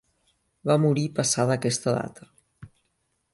Va morir passada aquesta data.